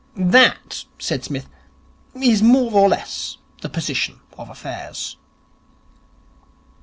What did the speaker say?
'That,' said Psmith, 'is more or less the position of affairs.'